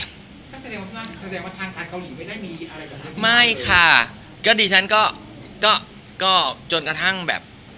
ก็แสดงว่าแสดงว่าทางทางเกาหลีไม่ได้มีอะไรกับไม่ค่ะก็ดิฉันก็ก็ก็จนกระทั่งแบบ